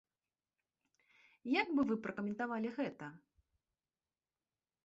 Як бы вы пракаментавалі гэта?